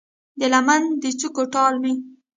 د لمن د څوکو ټال مې